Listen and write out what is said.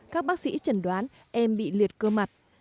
các bác sĩ chẩn đoán em bị liệt cơ mặt